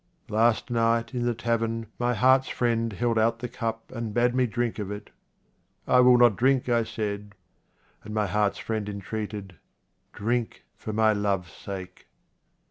Last night, in the tavern, my heart's friend held out the cup and bade me drink of it. 3i QUATRAINS OF OMAR KHAYYAM " I will not drink," I said ; and my heart's friend entreated u Drink, for my love's sake."